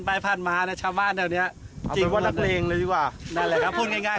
พูดง่ายกับนักบริษัท